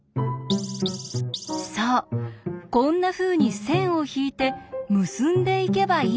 そうこんなふうに線を引いて結んでいけばいいですよね。